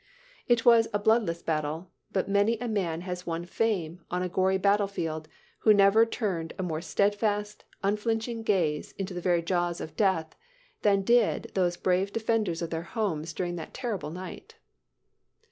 It was a bloodless battle, but many a man has won fame on a gory battle field who never turned a more steadfast, unflinching gaze into the very jaws of death than did those brave defenders of their homes during that terrible night."